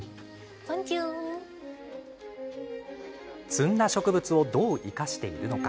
摘んだ植物をどう生かしているのか。